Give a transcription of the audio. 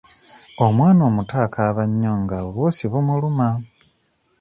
Omwana omuto akaaba nnyo nga obwosi bumuluma.